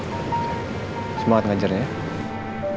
dia sempet ngeliat orang yang menusuk pak nino